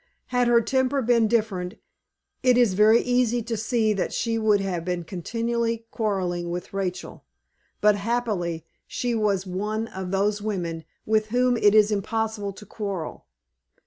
Had her temper been different, it is very easy to see that she would have been continually quarrelling with Rachel; but, happily, she was one of those women with whom it is impossible to quarrel.